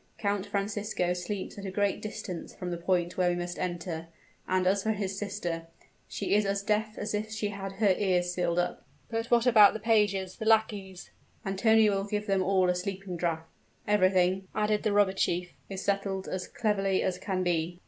Count Francisco sleeps at a great distance from the point where we must enter; and as for his sister she is as deaf as if she had her ears sealed up." "But what about the pages, the lackeys " "Antonio will give them all a sleeping draught. Everything," added the robber chief, "is settled as cleverly as can be."